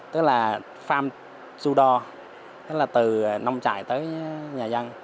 tức là pham sudor tức là từ nông trại tới nhà dân